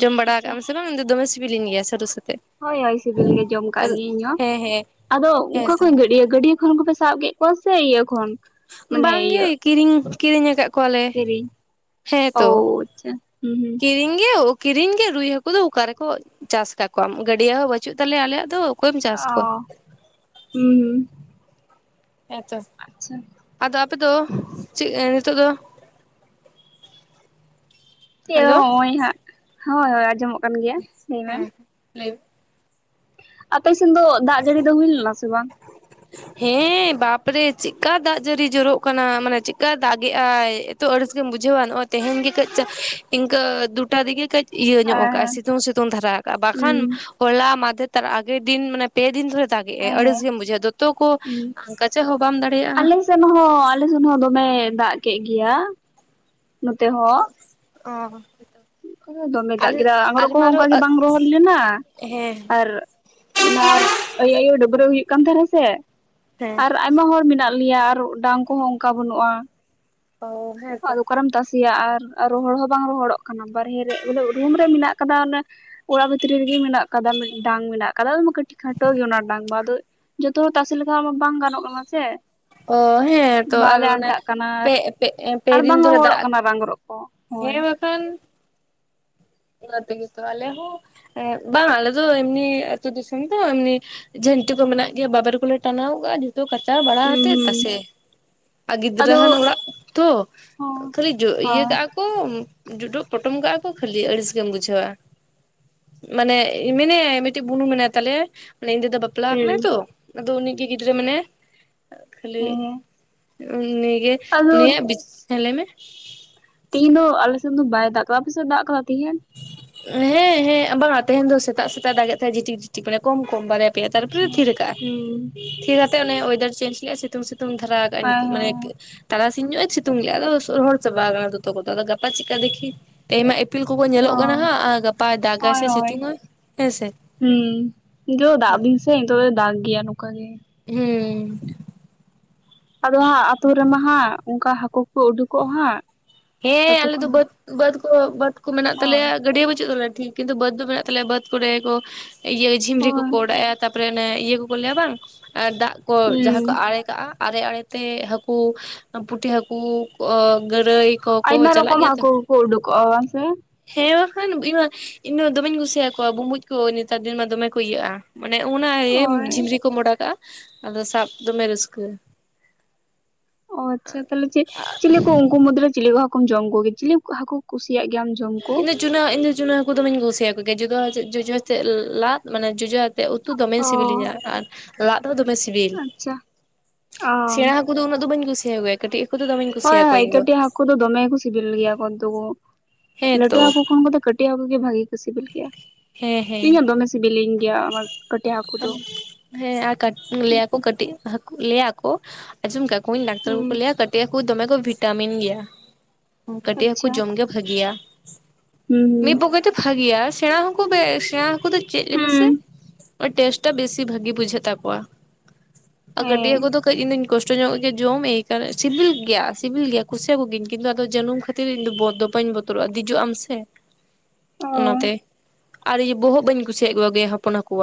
ᱡᱚᱢ ᱵᱟᱲᱟ ᱟᱪᱪᱷᱟ ᱠᱟᱜᱟᱢ ᱥᱮ ᱵᱟᱝ ᱤᱧ ᱫᱚ ᱫᱚᱢᱮ ᱥᱤᱵᱤᱞᱤᱧ ᱜᱮᱭᱟ ᱥᱟᱹᱨᱩ ᱥᱟᱛᱮᱜ᱾ ᱦᱳᱭ ᱦᱳᱭ ᱥᱤᱵᱤᱞ ᱜᱮ ᱡᱚᱢ ᱟᱠᱟᱫ ᱜᱮᱭᱤᱧ ᱤᱧ ᱦᱚᱸ ᱦᱮᱸ ᱟᱫᱚ ᱦᱮᱸ ᱚᱠᱟ ᱛᱚ ᱠᱷᱚᱡᱧ ᱜᱟᱹᱰᱭᱟᱹ ᱜᱟᱵᱤ ᱠᱷᱚᱱᱚᱱ ᱠᱚᱯᱮ ᱥᱟᱵ ᱠᱮᱫ ᱠᱚᱣᱟ ᱥᱮ ᱤᱭᱟᱹ ᱠᱷᱚᱱ? ᱢᱟᱱᱮ ᱵᱟᱝᱜᱮ ᱤᱭᱟᱹ ᱠᱤᱨᱤᱧ ᱠᱤᱨᱤᱧ ᱠᱟᱜ ᱠᱚᱣᱟ ᱞᱮ ᱠᱤᱨᱤᱧ ᱦᱮᱸ ᱚ ᱛᱚ ᱟᱪᱪᱷᱟ ᱦᱩᱸ ᱦᱩᱸ ᱠᱤᱨᱤᱧ [unintelligible] ᱜᱮ ᱠᱤᱨᱤᱧ ᱜᱮ ᱨᱩᱭ ᱦᱟᱹᱠᱩ ᱫᱚ ᱚᱠᱟ ᱨᱮᱠᱚ ᱪᱟᱥ ᱠᱟᱠᱚᱣᱟᱢ ᱜᱟᱹᱰᱭ ᱦᱚᱸ ᱵᱟᱹᱪᱩᱜ ᱛᱟᱞᱮᱭᱟ ᱟᱞᱮᱭᱟᱜ ᱫᱚ ᱚᱠᱚᱭᱮᱢ ᱪᱟᱥ ᱠᱚᱣᱟ ᱚ ᱦᱩᱸ᱾ ᱦᱮᱸᱛᱚ᱾ ᱟᱪᱪᱷᱟ᱾ ᱟᱫᱚ ᱟᱯᱮ ᱫᱚ ᱪᱮᱫ ᱱᱤᱛᱳᱜ ᱫᱚ ᱪᱮᱜ ᱦᱮᱞᱳ ᱱᱚᱸᱜᱼᱚᱭ ᱦᱟᱸᱜ ᱦᱳᱭ ᱟᱸᱡᱚᱢᱚᱜ ᱠᱟᱱ ᱜᱮᱭᱟ᱾ ᱞᱟᱹᱭ ᱢᱮ ᱦᱮᱸ ᱞᱟᱹᱭ ᱢᱮ᱾ ᱟᱯᱮ ᱥᱮᱱ ᱫᱚ ᱫᱟᱜ ᱡᱟᱹᱲᱤ ᱫᱚ ᱦᱩᱭ ᱞᱮᱱᱟ ᱥᱮ ᱵᱟᱝ? ᱦᱮᱸ ᱵᱟᱯᱨᱮ ᱪᱮᱫᱠᱟ ᱫᱟᱜ ᱡᱟᱹᱲᱤ ᱡᱚᱨᱚᱜ ᱠᱟᱱᱟ ᱢᱟᱱᱮ ᱪᱮᱫᱠᱟᱭ ᱫᱟᱜ ᱜᱮᱜᱟᱭ, ᱛᱚ ᱟᱹᱲᱮᱥ ᱜᱮᱢ ᱵᱩᱡᱷᱟᱹᱣᱟ ᱱᱚᱸᱜᱼᱚᱭ ᱛᱮᱦᱮᱧ ᱜᱮ ᱠᱟᱹᱡ ᱤᱱᱠᱟᱹ ᱫᱩᱴᱟ ᱛᱮᱜᱮ ᱠᱟᱹᱡ ᱤᱭᱟᱹ ᱧᱚᱜ ᱦᱮᱸ ᱠᱟᱜᱼᱟ ᱦᱮᱸ ᱥᱤᱛᱩᱝ ᱥᱤᱛᱩᱝ ᱫᱷᱟᱨᱟ ᱠᱟᱜᱼᱟ, ᱵᱟᱠᱷᱟᱱ ᱦᱩᱸ ᱦᱚᱞᱟ ᱢᱟᱫᱷᱮᱨ ᱛᱟ ᱟᱜᱮᱨ ᱫᱤᱱ ᱢᱟᱱᱮ ᱯᱮ ᱫᱤᱱ ᱫᱷᱚᱨᱮ ᱫᱟᱜᱮᱜᱼᱟᱭ ᱦᱮᱸ ᱟᱹᱲᱤᱥ ᱜᱮᱢ ᱵᱩᱡᱷᱟᱹᱣᱟ ᱫᱚᱛᱚ ᱠᱚ ᱦᱩᱸ ᱠᱟᱪᱟ ᱦᱚᱸ ᱵᱟᱢ ᱫᱟᱲᱮᱭᱟᱜᱼᱟ᱾ ᱟᱞᱮ ᱥᱮᱱ ᱦᱚᱸ ᱟᱞᱮ ᱥᱮᱱ ᱦᱚᱸ ᱫᱚᱢᱮ ᱫᱟᱜ ᱠᱮᱜ ᱜᱮᱭᱟ ᱱᱚᱛᱮ ᱦᱚᱸ᱾ ᱚ ᱦᱳᱭ ᱛᱚ᱾ ᱠᱚᱨᱮ ᱫᱚᱢᱮ ᱫᱟᱜ ᱠᱮᱫᱟᱭ ᱟᱸᱜᱨᱚ ᱠᱚᱦᱚᱸ ᱚᱱᱠᱟ ᱜᱮ ᱵᱟᱝ ᱨᱚᱦᱚᱲ ᱞᱮᱱᱟ ᱦᱮᱸ ᱟᱨ ᱚᱱᱟ ᱟᱭ ᱟᱭᱳ ᱰᱟᱹᱵᱨᱟᱹ ᱦᱩᱭᱩᱜ ᱠᱟᱱ ᱛᱟᱦᱮᱸᱱᱟ ᱥᱮ ᱦᱮᱸ ᱟᱨ ᱟᱭᱢᱟ ᱦᱚᱲ ᱢᱮᱱᱟᱜ ᱞᱮᱭᱟ ᱟᱨ ᱰᱟᱝ ᱠᱚᱦᱚᱸ ᱚᱱᱠᱟ ᱵᱟᱹᱱᱩᱜᱼᱟ, ᱚ᱾ ᱦᱮᱸᱛᱚ ᱟᱫᱚ ᱚᱠᱟᱨᱮᱢ ᱛᱟᱥᱮᱭᱟ ᱟᱨ ᱨᱚᱦᱚᱲ ᱦᱚᱸ ᱵᱟᱝ ᱨᱚᱦᱚᱲᱚᱜ ᱠᱟᱱᱟ ᱵᱟᱨᱦᱮ ᱨᱮ ᱵᱚᱞᱮ ᱨᱩᱢ ᱨᱮ ᱢᱮᱱᱟᱜ ᱠᱟᱫᱟ ᱚᱱᱮ ᱚᱲᱟᱜ ᱵᱷᱤᱛᱨᱤ ᱨᱮᱜᱮ ᱢᱮᱱᱟᱜ ᱠᱟᱫᱟ ᱰᱟᱝ ᱢᱮᱱᱟᱜ ᱠᱟᱫᱟ ᱠᱟᱹᱴᱤᱡ ᱠᱷᱟᱴᱚ ᱜᱮ ᱚᱱᱟ ᱰᱟᱝ ᱫᱚ ᱟᱫᱚ ᱡᱷᱚᱛᱚ ᱦᱚᱲ ᱛᱟᱥᱮ ᱞᱮᱠᱷᱟ ᱵᱟᱝ ᱜᱟᱱᱚᱜᱼᱟ ᱥᱮ? ᱚ ᱦᱮᱸ ᱛᱚ ᱟᱨ ᱵᱟᱞᱮ ᱚᱱᱮ ᱟᱱᱴᱟᱜ ᱯᱮ ᱯᱮ ᱯᱮᱫᱤᱱ ᱫᱷᱚᱨᱮ ᱫᱟᱜ ᱟᱝᱨᱚᱜ ᱠᱚ᱾ ᱦᱮᱸ ᱦᱳᱭ ᱵᱟᱠᱷᱟᱱ᱾ ᱚᱱᱠᱟ ᱛᱮᱜᱮ ᱛᱚ ᱟᱞᱮ ᱦᱚᱸ ᱮᱸᱫ ᱵᱟᱝ ᱟᱞᱮ ᱫᱚ ᱮᱢᱱᱤ ᱟᱛᱩ ᱫᱤᱥᱚᱢ ᱫᱚ ᱮᱢᱱᱤ ᱡᱷᱟᱹᱱᱴᱤ ᱠᱚ ᱢᱮᱱᱟᱜ ᱜᱮᱭᱟ ᱵᱟᱵᱮᱨ ᱠᱚᱞᱮ ᱴᱟᱱᱟᱣ ᱠᱟᱜᱼᱟ ᱡᱚᱛᱚ ᱠᱟᱪᱟᱣ ᱵᱟᱲᱟᱣ ᱦᱩᱸ ᱠᱛᱮᱫ ᱦᱩᱸ ᱛᱟᱥᱮ᱾ ᱟ ᱜᱤᱫᱽᱨᱟᱹ ᱟᱫᱚ ᱦᱟᱱ ᱚᱲᱟᱜ ᱛᱚ ᱦᱚᱸ ᱠᱷᱟᱹᱞᱤ ᱡᱚ ᱤᱭᱟᱹ ᱦᱚᱸ ᱠᱟᱜ ᱠᱚ ᱡᱩᱰᱩᱜ ᱯᱚᱴᱚᱢ ᱠᱟᱜᱼᱟ ᱠᱚ ᱠᱷᱟᱹᱞᱤ ᱟᱹᱲᱤᱥ ᱜᱮᱢ ᱵᱩᱡᱷᱟᱹᱣᱟ᱾ ᱢᱟᱱᱮ ᱢᱤᱱᱮ ᱢᱤᱫᱴᱤᱡ ᱵᱩᱱᱩ ᱢᱮᱱᱟᱭ ᱛᱟᱞᱮᱭᱟ ᱢᱟᱱᱮ ᱤᱧ ᱫᱟᱫᱟ ᱵᱟ ᱯᱞᱟ ᱠᱟᱱᱟᱭ ᱦᱩᱸ ᱛᱚ ᱟᱫᱚ ᱩᱱᱤ ᱜᱮ ᱜᱤᱫᱽᱨᱟᱹ ᱢᱮᱱᱟᱭᱟ᱾ ᱠᱷᱟᱹᱞᱤ ᱦᱮᱸ ᱦᱮᱸ ᱩᱱᱤᱜᱮ ᱟᱫᱚ ᱩᱱᱤᱭᱟᱜ ᱵᱤᱡ ᱦᱮᱸ ᱞᱟᱹᱭ ᱢᱮ᱾ ᱛᱮᱤᱦᱧ ᱫᱚ ᱟᱞᱮᱥᱮᱫ ᱫᱚ ᱵᱟᱭ ᱫᱟᱜ ᱠᱟᱫᱟ ᱟᱯᱮᱥᱮᱫ ᱫᱟᱜ ᱠᱟᱫᱟᱭ ᱛᱤᱦᱤᱧ? ᱦᱮᱸ ᱦᱮᱸ ᱵᱟᱝᱟ ᱛᱮᱦᱮᱧ ᱫᱚ ᱥᱮᱛᱟᱜ ᱥᱮᱛᱟᱜ ᱫᱟᱜᱮᱫ ᱛᱟᱦᱮᱸᱡ ᱡᱷᱤᱴᱤᱠ ᱡᱷᱤᱴᱤᱠ ᱢᱟᱱᱮ ᱠᱚᱢ ᱠᱚᱢ ᱛᱮ ᱛᱟᱨᱯᱚᱨᱮ ᱟᱪᱪᱷᱟ ᱛᱷᱤᱨ ᱦᱩᱸ ᱠᱟᱫᱟᱜᱼᱟᱭ᱾ ᱛᱮ ᱚᱱᱮ ᱚᱭᱮᱫᱟᱨ ᱪᱮᱧᱡᱽᱡ ᱞᱮᱜᱼᱟ ᱥᱤᱛᱩᱝ ᱥᱤᱛᱩᱝ ᱫᱷᱟᱨᱟ ᱠᱟᱫᱟᱭ ᱦᱮᱸ ᱱᱤᱛᱚᱜ ᱢᱟᱱᱮ ᱦᱮᱸ ᱛᱟᱨᱟᱥᱤᱧ ᱧᱚᱜ ᱥᱤᱛᱩᱝ ᱞᱮᱜᱼᱟ ᱟᱫᱚ ᱨᱚᱦᱚᱲ ᱪᱟᱵᱟ ᱠᱟᱱᱟ ᱫᱚᱛᱚ ᱠᱚᱛᱮ ᱟᱫᱚ ᱜᱟᱯᱟ ᱪᱤᱫᱠᱟ ᱫᱮᱠᱷᱤ ᱛᱮᱦᱮᱸᱧ ᱢᱟ ᱤᱯᱤᱞ ᱠᱚᱠᱚ ᱧᱮ ᱚ ᱞᱚᱜ ᱠᱟᱱᱟ ᱦᱟᱸᱜ ᱜᱟᱯᱟᱭ ᱫᱟᱜᱼᱟ ᱦᱳᱭ ᱥᱮ ᱦᱳᱭ ᱥᱤᱛᱩᱝᱼᱟ ᱦᱮᱸᱥᱮ? ᱦᱩᱸ ᱱᱤᱛᱚᱜ ᱫᱚ ᱫᱟᱜ ᱫᱤᱱ ᱥᱮ ᱱᱤᱛᱚᱜ ᱫᱚ ᱫᱟᱜ ᱜᱮᱭᱟ ᱱᱚᱝᱠᱟ ᱜᱮ᱾ ᱦᱩᱸ᱾ ᱟᱫᱚ ᱦᱟᱸᱜ ᱟᱛᱩ ᱨᱮᱢᱟ ᱦᱟᱸᱜ ᱚᱝᱠᱟ ᱦᱟᱹᱠᱩ ᱠᱚ ᱩᱰᱩᱠᱚᱜᱼᱟ ᱦᱟᱸᱜ, ᱦᱮᱸ ᱟᱛᱳ ᱟᱞᱮ ᱫᱚ ᱠᱷᱚᱱ ᱵᱟᱹᱫᱽ ᱵᱟᱹᱫᱽ ᱠᱚ ᱵᱟᱹᱫᱽ ᱠᱚ ᱢᱮᱱᱟᱜ ᱦᱳᱭ ᱛᱟᱞᱮᱭᱟ ᱜᱟᱹᱰᱭᱟᱹ ᱵᱟᱹᱪᱩᱜ ᱛᱟᱞᱮᱭᱟ, ᱴᱷᱤᱠ ᱠᱤᱱᱛᱩ ᱵᱟᱹᱫᱽ ᱫᱚ ᱢᱮᱱᱟᱜ ᱛᱟᱞᱮᱭᱟ ᱵᱟᱹᱫᱽ ᱠᱚᱨᱮ ᱠᱚ ᱤᱭᱟᱹ ᱡᱷᱤᱢᱨᱤ ᱦᱳᱭ ᱠᱩᱠᱩ ᱚᱰᱟᱣᱮᱜ ᱟᱨ ᱛᱟᱯᱚᱨᱮ ᱚᱱᱮ ᱤᱭᱟᱹ ᱠᱚᱠᱚ ᱞᱟᱹᱭᱟ ᱵᱟᱝ ᱟᱨ ᱫᱟᱜᱽ ᱠᱚ ᱡᱟᱦᱟᱸ ᱦᱩᱸ ᱠᱚ ᱟᱲᱮ ᱠᱟᱜᱼᱟ ᱟᱨᱮ ᱟᱲᱮᱛᱮ ᱦᱟᱹᱠᱩ ᱯᱩᱴᱷᱤ ᱦᱟᱹᱠᱩ ᱠᱚ ᱜᱟᱹᱨᱟᱹᱭ ᱠᱚᱠᱚ ᱟᱭᱢᱟ ᱪᱟᱞᱟᱜ ᱨᱚᱠᱚᱢ ᱜᱮᱭᱟ ᱛᱚ ᱦᱟᱹᱠᱩ ᱠᱚᱠᱚ ᱩᱰᱩᱠᱚᱜᱼᱟ ᱵᱟᱝ ᱥᱮ, ᱦᱮᱸ ᱵᱟᱠᱷᱟᱱ ᱤᱧᱢᱟ ᱤᱧ ᱦᱚᱸ ᱫᱚᱢᱮᱧ ᱠᱩᱥᱤ ᱟᱠᱚᱣᱟ ᱵᱩᱢᱵᱩᱡ ᱠᱚ ᱱᱮᱛᱟᱨ ᱫᱤᱱ ᱢᱟ ᱫᱚᱢᱮ ᱠᱚ ᱤᱭᱟᱹᱜᱼᱟ᱾ ᱢᱟᱱᱮ ᱚᱱᱟ ᱦᱳᱭ ᱡᱷᱤᱢᱨᱤ ᱠᱚᱢ ᱚᱰᱟᱣ ᱠᱟᱜᱼᱟ ᱟᱫᱚ ᱥᱟᱵ ᱫᱚᱢᱮ ᱨᱟᱹᱥᱠᱟᱹ᱾ ᱚ ᱟᱪᱪᱷᱟ ᱛᱟᱦᱞᱮ ᱪᱮᱞᱮ ᱠᱚ ᱩᱱᱠᱩ ᱢᱩᱫᱽᱨᱮ ᱪᱮᱞᱮ ᱠᱚ ᱦᱟᱹᱠᱚᱢ ᱡᱚᱢ ᱠᱚᱜᱮᱭᱟ ᱪᱤᱞᱤ ᱦᱟᱹᱠᱩ ᱠᱩᱥᱤᱭᱟᱜ ᱜᱮᱭᱟᱢ ᱡᱚᱢ ᱠᱚ? ᱤᱧ ᱫᱚ ᱪᱩᱱᱟᱹ ᱤᱧᱫᱚ ᱪᱩᱱᱟᱹ ᱦᱟᱹᱠᱩ ᱫᱚᱢᱮᱧ ᱠᱩᱥᱤᱭᱟᱠᱚ ᱜᱮᱭᱟ ᱡᱩᱫᱟᱹ ᱡᱚᱡᱚ ᱟᱛᱮ ᱞᱟᱫ ᱢᱟᱱᱮ ᱡᱚᱡᱚ ᱛᱮ ᱩᱛᱩ ᱫᱚᱢᱮ ᱚ ᱥᱤᱵᱤᱞᱤᱧᱟ ᱟᱨ ᱞᱟᱫ ᱦᱚᱸ ᱫᱚᱢᱮ ᱥᱤᱵᱤᱞ᱾ ᱟᱪᱪᱷᱟ ᱚ ᱥᱮᱬᱟ ᱦᱟᱹᱠᱩ ᱫᱚ ᱩᱱᱟᱹᱜ ᱫᱚ ᱵᱟᱹᱧ ᱠᱩᱥᱤᱭᱟᱠᱚ ᱜᱮᱭᱟ᱾ ᱠᱟᱹᱴᱤᱜ ᱦᱟᱹᱠᱩ ᱫᱚ ᱫᱚᱢᱮᱧ ᱦᱳᱭ ᱠᱩᱥᱤᱭᱟᱠᱚᱣᱟ ᱦᱳᱭ ᱤᱧ ᱫᱚ ᱠᱟᱹᱴᱤᱜ ᱦᱟᱹᱠᱩ ᱫᱚ ᱫᱚᱢᱮ ᱠᱚ ᱥᱤᱵᱤᱞ ᱜᱮᱭᱟ ᱠᱚ [unintelligible] ᱦᱮᱸ ᱞᱟᱹᱴᱩ ᱛᱚ ᱦᱟᱹᱠᱩ ᱠᱷᱚᱱ ᱠᱚᱫᱚ ᱠᱟᱹᱴᱤᱜ ᱴᱤᱜ ᱦᱟᱹᱠᱩ ᱠᱚᱜᱮ ᱵᱷᱟᱜᱮ ᱠᱚ ᱥᱤᱵᱤᱞ ᱜᱮᱭᱟ ᱦᱮᱸ ᱦᱮᱸ ᱤᱧ ᱦᱚᱸ ᱫᱚᱢᱮ ᱥᱤᱵᱤᱞᱤᱧ ᱜᱮᱭᱟ [unintelligible] ᱫᱚ ᱦᱮᱸ ᱟᱨ ᱠᱟᱹᱴ ᱞᱟᱹᱭᱟᱠᱚ ᱠᱟᱹᱴᱤᱜ ᱦᱟᱹᱠᱩ ᱞᱟᱹᱭᱟᱠᱚ ᱟᱸᱡᱚᱢ ᱠᱟ ᱰᱟᱠᱛᱟᱨ ᱦᱩᱸ ᱠᱚᱠᱚ ᱞᱟᱹᱭᱟ ᱠᱟᱹᱴᱤᱜ ᱦᱟᱹᱠᱩ ᱫᱚᱢᱮ ᱠᱚ ᱵᱷᱤᱴᱟᱢᱤᱱ ᱜᱮᱭᱟ ᱠᱟᱹᱴᱤᱜ ᱦᱟᱹᱠᱩ ᱟᱪᱪᱷᱟ ᱡᱚᱢ ᱜᱮ ᱵᱷᱟᱹᱜᱤᱭᱟ, ᱦᱩᱸ ᱢᱤᱫ ᱯᱚᱠᱮᱛᱮ ᱵᱷᱟᱜᱤᱭᱟ ᱥᱮᱬᱟ ᱦᱟᱹᱠᱩ ᱵᱮ ᱥᱮᱬᱟ ᱦᱟᱹᱠᱩ ᱫᱚ ᱪᱮᱜ ᱞᱮ ᱦᱩᱸ ᱢᱮᱥᱮ ᱴᱮᱥᱴᱟᱜ ᱵᱮᱥᱤ ᱵᱷᱟᱜᱤ ᱵᱩᱡᱷᱟᱹᱜ ᱛᱟᱠᱚᱣᱟ ᱦᱩᱸ ᱟ ᱠᱟᱹᱴᱤᱜ ᱦᱮᱸ ᱦᱟᱹᱠᱩ ᱫᱚ ᱠᱟᱹᱡ ᱤᱧᱫᱚᱧ ᱠᱚᱥᱴ ᱧᱚᱜ ᱜᱮ ᱡᱚᱢ ᱮᱠᱟᱞ ᱥᱤᱵᱤᱞ ᱜᱮᱭᱟ ᱥᱤᱵᱤᱞ ᱜᱮᱭᱟ ᱠᱩᱥᱤᱭᱟᱠᱚ ᱜᱤᱭᱟᱹᱧ ᱠᱤᱱᱛᱩ ᱟᱫᱚ ᱡᱟᱹᱱᱩᱢ ᱠᱷᱟᱹᱛᱤᱨ ᱤᱧ ᱫᱚ ᱵᱚᱫ ᱫᱚ ᱵᱟᱹᱧ ᱵᱚᱛ ᱵᱚᱛᱚᱨᱚᱜᱼᱟ ᱫᱤᱡᱚᱜ ᱟᱢ ᱥᱮ, ᱚ ᱚᱱᱟᱛᱮ ᱟᱨ ᱤᱭᱟᱹ ᱵᱚᱦᱚᱜ ᱵᱟᱹᱧ ᱠᱩᱥᱤᱭᱟᱜ ᱠᱚᱜᱮᱭᱟ ᱦᱚᱯᱚᱱ ᱦᱟᱹᱠᱩᱣᱟᱜ᱾